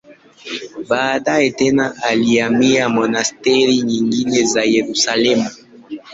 Baadaye tena alihamia monasteri nyingine za Yerusalemu.